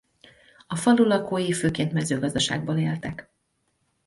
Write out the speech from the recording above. A falu lakói főként mezőgazdaságból éltek.